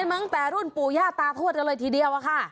กินมาตั้งแต่รุ่นปูหญ้าตาพวชเลยทีเดียว